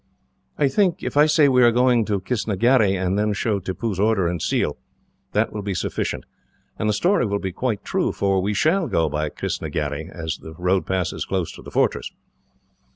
"I think, if I say we are going to Kistnagherry, and then show Tippoo's order and seal, that will be sufficient; and the story will be quite true, for we shall go by Kistnagherry, as the road passes close to the fortress."